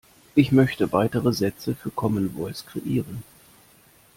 Ich möchte weitere Sätze für Commen Voice kreieren.